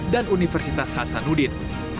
dan universitas hasanudin